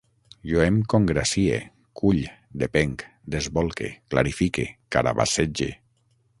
Jo em congracie, cull, depenc, desbolque, clarifique, carabassege